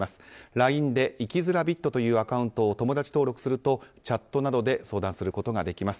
ＬＩＮＥで生きづらびっとというアカウントを友達登録するとチャットなどで相談することができます。